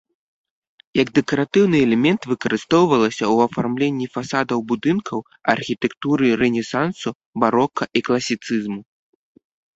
Як дэкаратыўны элемент выкарыстоўвалася ў афармленні фасадаў будынкаў архітэктуры рэнесансу, барока і класіцызму.